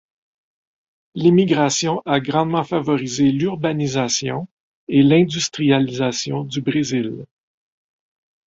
L'immigration a grandement favorisé l'urbanisation et l'industrialisation du Brésil.